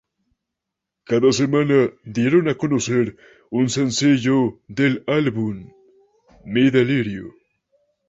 Cada semana dieron a conocer un sencillo del álbum "Mi delirio".